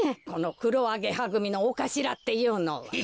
このくろアゲハぐみのおかしらっていうのは。